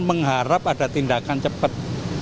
mengharap ada tindakan cepat